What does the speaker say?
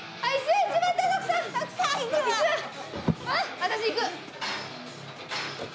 私行く！